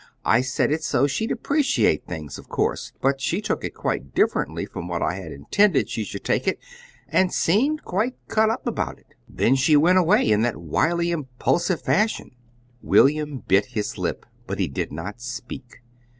I said it so she'd appreciate things, of course, but she took it quite differently from what I had intended she should take it, and seemed quite cut up about it. Then she went away in that wily, impulsive fashion." William bit his lip, but he did not speak.